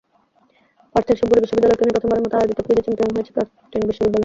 পার্থের সবগুলো বিশ্ববিদ্যালয়কে নিয়ে প্রথমবারের মতো আয়োজিত কুইজে চ্যাম্পিয়ন হয়েছে কার্টিন বিশ্ববিদ্যালয়।